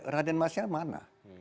raden masnya mana